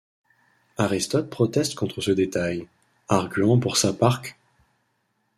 Aristote proteste contre ce détail, arguant pour sa part qu’.